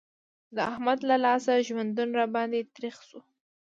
د احمد له لاسه ژوندون را باندې تريخ شو.